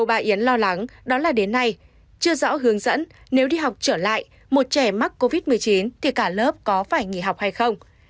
cô bà yến lo lắng đó là đến nay chưa rõ hướng dẫn nếu đi học trở lại một trẻ mắc covid một mươi chín thì cả lớp có phải nghỉ học hay không